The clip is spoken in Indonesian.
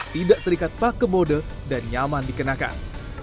tidak terikat pake mode dan nyaman dikenakan